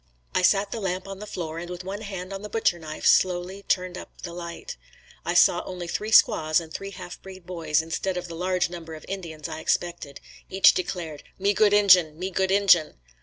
I sat the lamp on the floor, and with one hand on the butcher knife, slowly turned up the light. I saw only three squaws and three half breed boys, instead of the large number of Indians I expected. Each declared "Me good Injin! Me good Injin!"